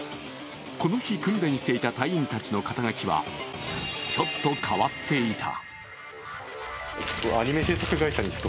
この日訓練していた隊員たちの肩書はちょっと変わっていた。